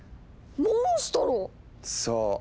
モンストロ⁉そう。